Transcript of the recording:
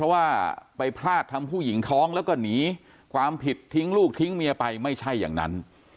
เพราะว่าไปพลาดทำผู้หญิงท้องแล้วก็หนีความผิดทิ้งลูกทิ้งเมียไปไม่ใช่อย่างนั้น